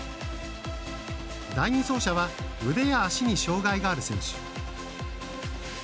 第２走者は腕や足に障がいがある選手。